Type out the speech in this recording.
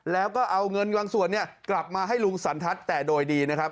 แล้วก็เอาเงินบางส่วนเนี่ยกลับมาให้ลุงสันทัศน์แต่โดยดีนะครับ